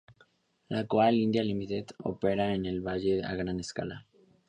La Coal India Limited opera en el valle a gran escala.